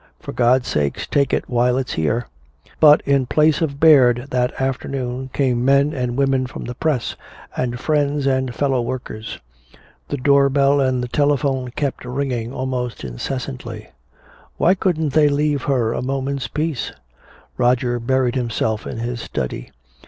For God's sake, take it while it's here!" But in place of Baird that afternoon came men and women from the press, and friends and fellow workers. The door bell and the telephone kept ringing almost incessantly. Why couldn't they leave her a moment's peace? Roger buried himself in his study.